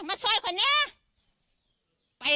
มาสวยคนเนี้ย